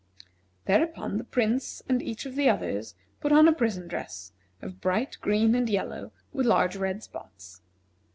Thereupon, the Prince and each of the others put on a prison dress of bright green and yellow, with large red spots.